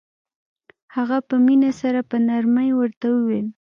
هغه په مينه سره په نرمۍ ورته وويل.